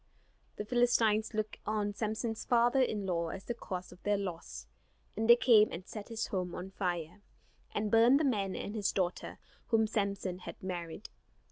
The Philistines looked on Samson's father in law as the cause of their loss; and they came and set his home on fire, and burned the man and his daughter whom Samson had married.